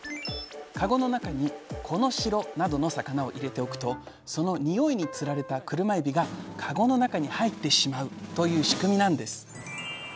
かごの中にコノシロなどの魚を入れておくとそのにおいにつられたクルマエビがかごの中に入ってしまうという仕組みなんです。